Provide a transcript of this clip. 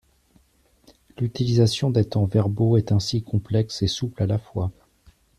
L'utilisation des temps verbaux est ainsi complexe et souple à la fois.